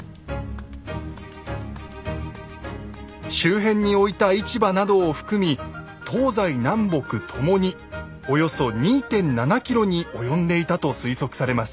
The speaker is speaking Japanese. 周辺に置いた市場などを含み東西南北ともにおよそ２．７ｋｍに及んでいたと推測されます。